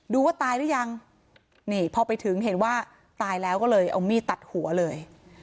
ดูว่าตายหรือยังนี่พอไปถึงเห็นว่าตายแล้วก็เลยเอามีดตัดหัวเลย